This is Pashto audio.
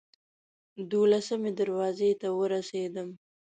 دولسمې دروازې ته ورسېدم.